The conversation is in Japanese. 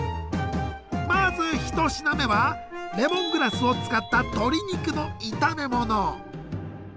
まず１品目はレモングラスを使った鶏肉の炒め物。